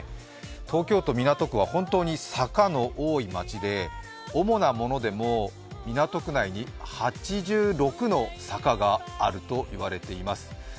東京都港区は本当に坂の多い街で主なものでも港区内に８６の坂があると言われています。